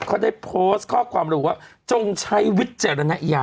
เขาได้โพสต์ข้อความรู้ว่าจงใช้วิทย์เจรณายา